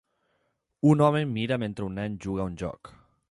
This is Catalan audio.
Un home mira mentre un nen juga a un joc.